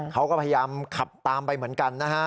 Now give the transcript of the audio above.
เขาก็พยายามขับตามไปเหมือนกันนะฮะ